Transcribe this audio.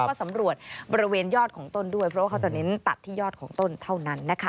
ก็สำรวจบริเวณยอดของต้นด้วยเพราะว่าเขาจะเน้นตัดที่ยอดของต้นเท่านั้นนะคะ